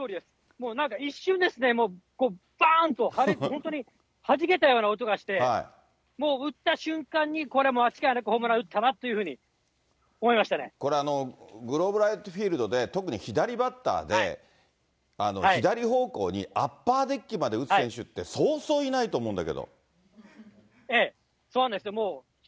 もうなんか一瞬ですね、ばーんと破裂、本当にはじけたような音がして、もう打った瞬間にこれは間違いなくホームラン打ったなというふうこれ、グローブライフフィールドで、特に左バッターで、左方向にアッパーデッキまで打つ選手って、そうそういないと思うそうなんですね。